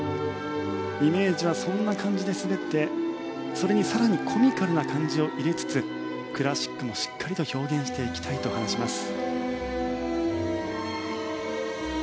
イメージはそんな感じで滑ってそれに、更にコミカルな感じを入れつつクラシックもしっかり表現していきたいと話します。